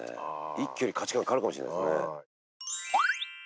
一挙に価値観変わるかもしれないですね。